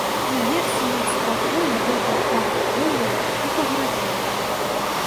Уверсе над страхой гэтай хаты гуло і пагражала.